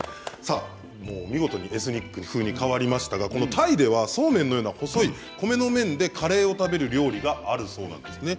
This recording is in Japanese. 見事にエスニック風に変わりましたがタイではそうめんのような細い米の麺でカレーを食べる料理があるそうなんですね。